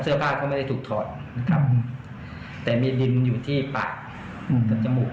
เสื้อผ้าก็ไม่ได้ถูกถอดนะครับแต่มีดินอยู่ที่ปากกับจมูก